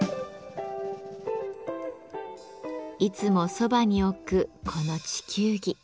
いつもそばに置くこの地球儀。